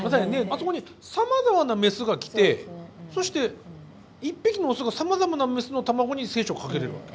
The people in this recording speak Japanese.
あそこにさまざまなメスが来てそして一匹のオスがさまざまなメスの卵に精子をかけれるわけ？